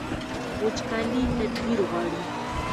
وچکالي تدبیر غواړي